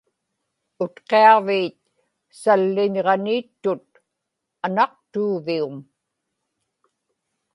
Utqiaġviit salliñġaniittut Anaqtuuvium